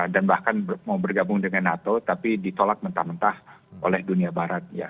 dan bahkan mau bergabung dengan nato tapi ditolak mentah mentah oleh dunia barat ya